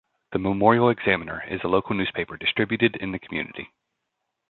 The "Memorial Examiner" is a local newspaper distributed in the community.